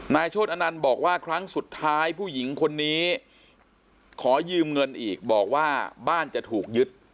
โชธอนันต์บอกว่าครั้งสุดท้ายผู้หญิงคนนี้ขอยืมเงินอีกบอกว่าบ้านจะถูกยึด